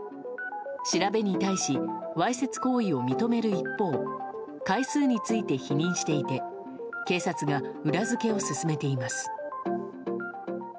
調べに対し、わいせつ行為を認める一方、回数について否認していて、警察が裏付けを進めています。